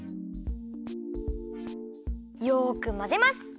よくまぜます。